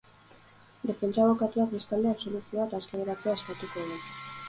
Defentsa abokatuak bestalde absoluzioa eta aske geratzea eskatuko du.